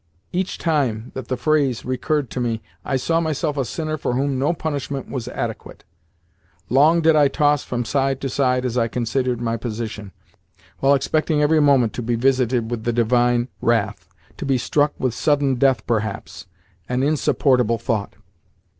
Each time that the phrase recurred to me I saw myself a sinner for whom no punishment was adequate. Long did I toss from side to side as I considered my position, while expecting every moment to be visited with the divine wrath to be struck with sudden death, perhaps! an insupportable thought!